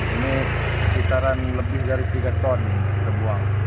ini sekitaran lebih dari tiga ton kita buang